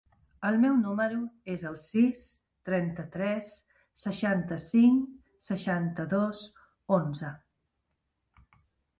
El meu número es el sis, trenta-tres, seixanta-cinc, seixanta-dos, onze.